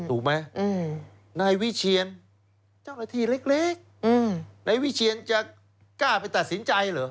ถูกไหมนายวิเชียนเจ้าหน้าที่เล็กนายวิเชียนจะกล้าไปตัดสินใจเหรอ